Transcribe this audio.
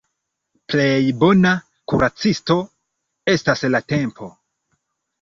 Plej bona kuracisto estas la tempo.